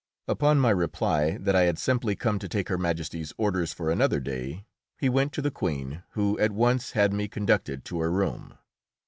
Upon my reply that I had simply come to take Her Majesty's orders for another day, he went to the Queen, who at once had me conducted to her room.